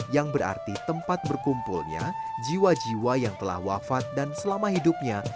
yang berarti tempat berkumpulnya jiwa jiwa yang telah wafat dan selama hidupnya